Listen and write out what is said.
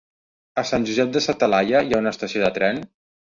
A Sant Josep de sa Talaia hi ha estació de tren?